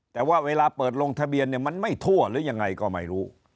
แต่ว่าเวลาเปิดลงทะเบียนเนี่ยมันไม่ทั่วหรือยังไงก็ไม่รู้